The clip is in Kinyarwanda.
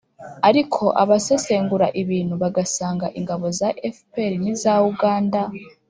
ariko abasesengura ibintu bagasanga ingabo za fpr n'iza uganda